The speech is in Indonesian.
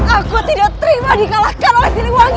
aku tidak terima dikalahkan oleh siliwangi